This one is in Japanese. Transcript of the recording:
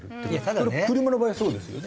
これ車の場合はそうですよね。